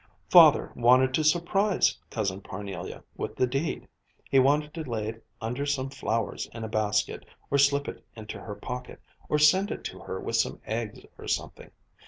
Father wanted to 'surprise' Cousin Parnelia with the deed. He wanted to lay it under some flowers in a basket, or slip it into her pocket, or send it to her with some eggs or something.